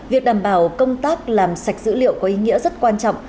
việc đảm bảo công tác làm sạch dữ liệu có ý nghĩa rất quan trọng